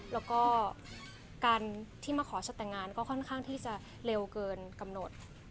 แล้วก็การที่มาขอฉันแต่งงานก็ค่อนข้างที่จะเร็วเกินกำหนด